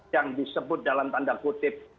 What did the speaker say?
yang disebut dalam tanda kutip